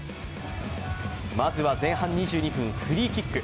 まずは前半２２分、フリーキック。